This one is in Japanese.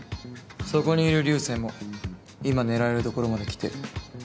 そこにいる流星も今狙えるところまできてる。